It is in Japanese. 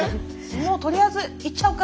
もうとりあえず行っちゃおうか！